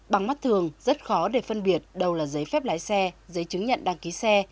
bằng mắt thường rất khó để phân biệt đâu là giấy phép lái xe giấy chứng nhận đăng ký xe